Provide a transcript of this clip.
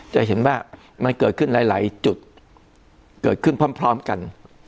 จะเห็นว่ามันเกิดขึ้นหลายจุดเกิดขึ้นพร้อมกัน